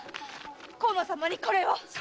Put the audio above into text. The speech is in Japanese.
河野様にこれを。